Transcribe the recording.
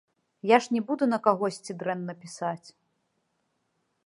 Я ж не буду на кагосьці дрэнна пісаць.